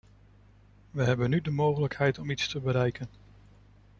Wij hebben nu de mogelijkheid om iets te bereiken.